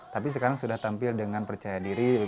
tapi sekarang sudah tampil dengan percaya diri